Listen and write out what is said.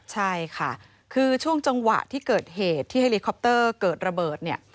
ใช่ค่ะคือช่วงจังหวะที่เกิดเหตุที่เฮลิคอปเตอร์เกิดระเบิดเนี่ย